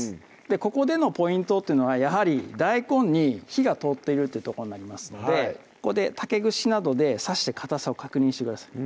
ここでのポイントっていうのはやはり大根に火が通っているというとこになりますのでここで竹串などで刺してかたさを確認してください